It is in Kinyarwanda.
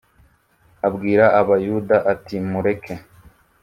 abwira Abayuda ati mureke